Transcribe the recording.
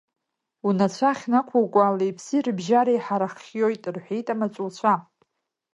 Унацәа ахьнақәукуа али-ԥси рыбжьара иҳархиоит, — рҳәеит амаҵуцәа.